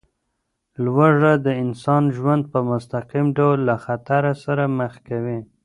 لوږه د انسان ژوند په مستقیم ډول له خطر سره مخ کوي.